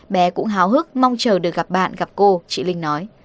bé cũng háo hức mong chờ được gặp bạn gặp cô chị linh nói